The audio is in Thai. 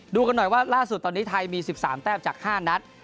ดูกันหน่อยว่าล่าสุดตอนนี้ไทยมี๑๓แต้มจาก๕นัด